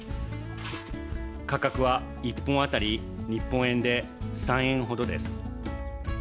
価格は１本あたり日本円で３円ほどです。